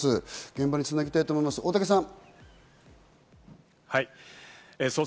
現場に繋ぎたいと思います、大竹さん。